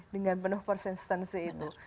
dengan penuh persistency itu